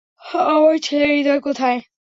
আমার ছেলের হৃদয় কোথায়?